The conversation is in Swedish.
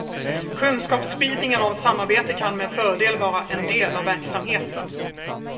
Kunskapsspridningen om samarbete kan med fördel vara en del av verksamheten.